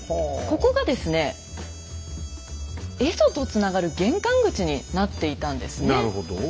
ここがですね蝦夷とつながる玄関口になっていたんですね。